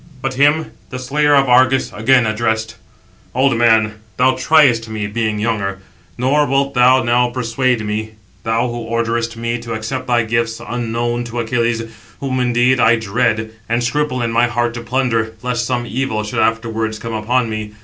But him the slayer of Argus again addressed: "Old man, thou triest me, [being] younger; nor wilt thou now persuade me; thou who orderest me to accept thy gifts unknown to Achilles; whom indeed I dread, and scruple in my heart to plunder, lest some evil should afterwards come upon me.